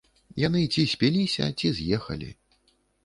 Яны ці спіліся, ці з'ехалі.